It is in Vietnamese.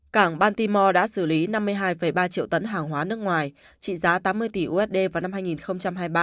cảng bantimore đã xử lý năm mươi hai ba triệu tấn hàng hóa nước ngoài trị giá tám mươi tỷ usd vào năm hai nghìn hai mươi ba